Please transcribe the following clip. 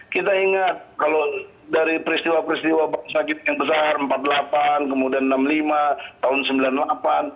kita ingat kalau dari peristiwa peristiwa sakit yang besar empat puluh delapan kemudian enam puluh lima tahun sembilan puluh delapan gitu lah